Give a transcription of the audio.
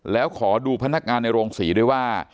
แล้วขอดูพนักงานในโรงศรีด้วยว่า